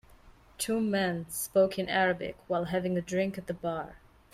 Two men spoke in Arabic while having a drink at the bar.